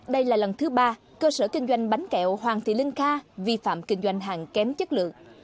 đây là lần thứ ba cơ sở kinh doanh bánh kẹo hoàng thị linh kha vi phạm kinh doanh hàng kém chất lượng